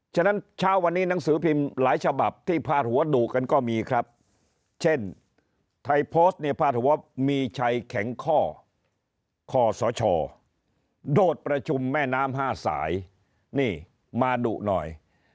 ฉะนั้นเช้าวันนี้หนังสือพิมพ์หลายฉบับที่พาดหัวดุกันก็มีครับเช่นไทยโพสต์เนี่ยพาดหัวมีชัยแข็งข้อคอสชโดดประชุมแม่น้ำ๕สายนี่มาดุหน่อย